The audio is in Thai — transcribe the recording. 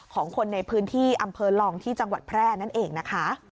ของคนในพื้นที่อำเภอลองที่จังหวัดแพร่นั่นเองนะคะ